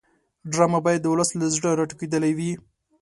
ډرامه باید د ولس له زړه راټوکېدلې وي